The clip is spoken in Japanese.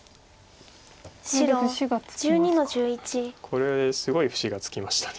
これすごい節がつきました。